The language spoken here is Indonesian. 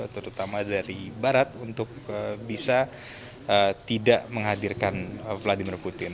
terutama dari barat untuk bisa tidak menghadirkan vladimir putin